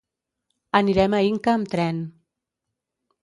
Anirem a Inca amb tren.